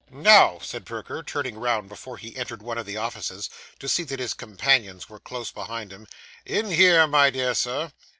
'Now,' said Perker, turning round before he entered one of the offices, to see that his companions were close behind him. 'In here, my dear sir.